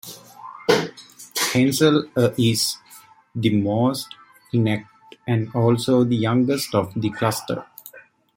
Hainzel A is the most intact and also the youngest of the cluster.